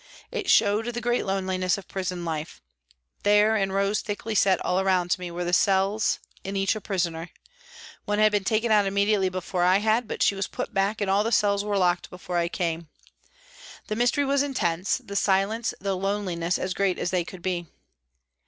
It showed the great loneliness of prison life. There, in rows thickly set all around me, were the cells, in each a prisoner. One had been taken out immediately before I had, but she was put back and all the cells were locked before I came. The mystery was intense, the silence, the loneliness as great as they could be.